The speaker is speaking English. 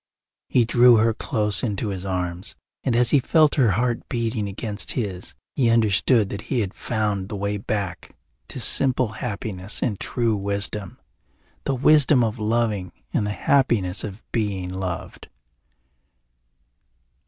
He drew her close into his arms, and as he felt her heart beating against his he understood that he had found the way back to simple happiness and true wisdom, the wisdom of loving and the happiness of being loved.